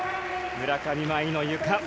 村上茉愛の、ゆか。